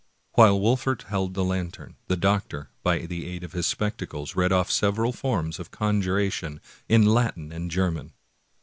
While Wolfert held the lantern, the doctor, by the aid of his spectacles, read ofif several forms of conjuration in Latin and German.